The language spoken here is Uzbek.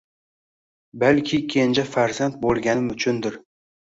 – balki kenja farzand bo‘lganim uchundir